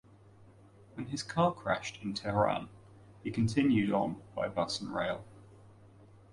When his car crashed in Tehran he continued on by bus and rail.